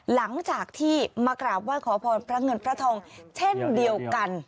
หลังจากที่มากราบไหว้ขอพรพระเงินพระทองเช่นเดียวกัน